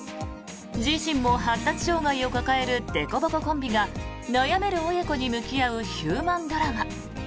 自身も発達障害を抱えるでこぼこコンビが悩める親子に向き合うヒューマンドラマ。